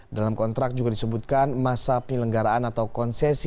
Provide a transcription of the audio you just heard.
dalam kontrak juga disebutkan masa penyelenggaraan atau konsesi